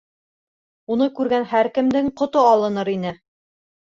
Уны күргән һәр кемдең ҡото алыныр ине.